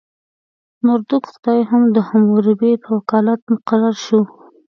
مردوک خدای هم د حموربي په وکالت مقرر شو.